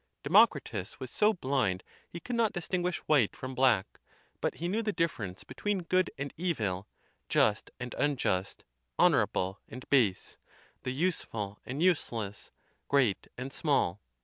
Democritus was so blind he could not distinguish white from black; but he knew the difference between good and evil, just and unjust, honora ble and base, the useful and useless, great and small.